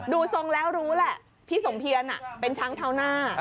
ทรงแล้วรู้แหละพี่สมเพียรเป็นช้างเท้าหน้า